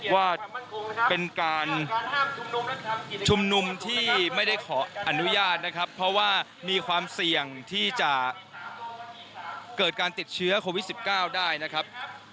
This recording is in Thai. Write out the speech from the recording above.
ว่าเป็นการชุมนุมที่ไม่ได้ขออนุญาตนะครับเพราะว่ามีความเสี่ยงที่จะเกิดการติดเชื้อโควิด๑๙ได้นะครับ